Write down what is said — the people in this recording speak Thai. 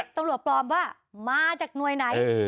ตำรวจปลอมว่ามาจากหน่วยไหน